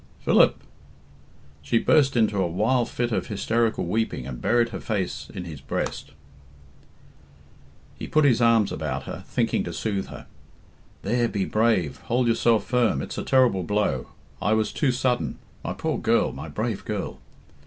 "Philip!" She burst into a wild fit of hysterical weeping, and buried her face his his breast. He put his arms about her, thinking to soothe her. "There! be brave! Hold yourself firm. It's a terrible blow. I was too sudden. My poor girl. My brave girl!"